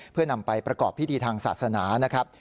เพื่อนำไปประกอบพิธีทางศาสนานะครับ